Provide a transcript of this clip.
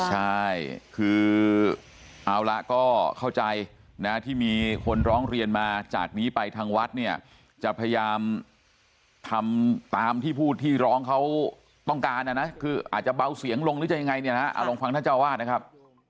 ใช่คือเอาละก็เข้าใจนะที่มีคนร้องเรียนมาจากนี้ไปทางวัดเนี่ยจะพยายามทำตามที่ผู้ที่ร้องเขาต้องการนะนะคืออาจจะเบาเสียงลงหรือจะยังไงเนี่ยนะเอาลองฟังท่านเจ้าวาดนะครับ